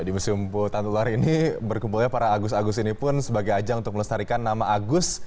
di museum tantular ini berkumpulnya para agus agus ini pun sebagai ajang untuk melestarikan nama agus